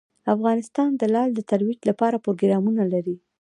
افغانستان د لعل د ترویج لپاره پروګرامونه لري.